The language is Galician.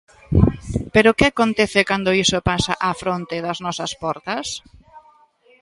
Pero que acontece cando iso pasa á fronte das nosas portas?